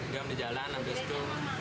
nggak di jalan habis itu